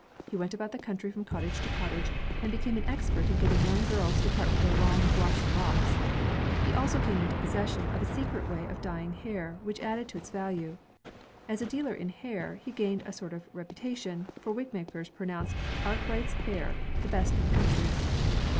He went about the country from cottage to cottage, and became an expert in getting yoimg girls to part with their long, glossy locks. He also came into possession of a secret way of dyeing hair, which added to its value. As a dealer in hair, he gained a sort of reputation, for the wigmakers pronounced "Arkwright's hair the best in the coimtry.''